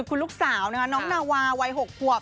คุณลูกสาวน้องนาวาวัย๖กว่า